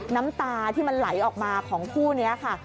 น้ำตาที่มันไหลออกมาของคู่นี้ค่ะ